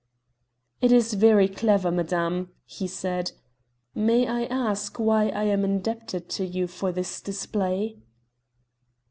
"It is very clever, madame," he said. "May I ask why I am indebted to you for this display?"